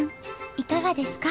いかがですか？